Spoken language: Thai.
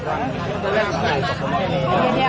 ก็ไม่มีอัศวินทรีย์ขึ้นมา